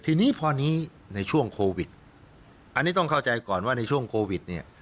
ทีนี้พอนี้ในช่วงโควิดอันนี้ต้องเข้าใจก่อนว่าในช่วงโควิดเนี่ย